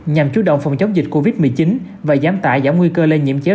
nhằm chú động phòng chống dịch covid một mươi chín và giám tải giảm nguy cơ lên nhiễm chéo